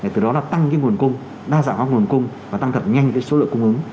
từ đó là tăng cái nguồn cung đa dạng hóa nguồn cung và tăng thật nhanh cái số lượng cung ứng